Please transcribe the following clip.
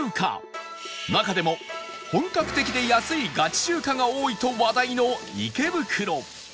中でも本格的で安いガチ中華が多いと話題の池袋